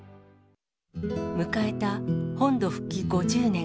迎えた本土復帰５０年。